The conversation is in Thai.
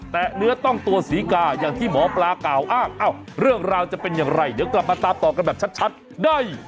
แต่เนื้อต้องตัวศรีกาอย่างที่หมอปลากล่าวอ้างเรื่องราวจะเป็นอย่างไรเดี๋ยวกลับมาตามต่อกันแบบชัดได้